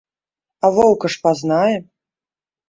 А воўка ж пазнае!